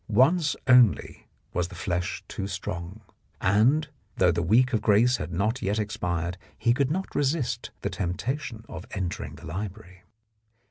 Once only was the flesh too strong, and, though the week of grace had not yet expired, he could not resist the temptation of entering the library.